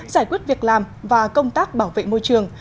giải quyết việc làm và công tác bảo vệ môi trường